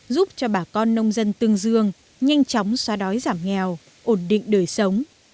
giúp cho bà con nông dân tương dương nhanh chóng xóa đói giảm nghèo ổn định đời sống